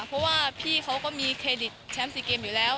เพราะว่าพี่เขาก็มีเครดิตแชมป์๔เกมอยู่แล้ว